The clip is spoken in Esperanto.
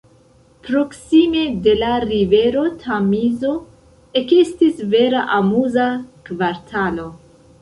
Proksime de la rivero Tamizo ekestis vera amuza kvartalo.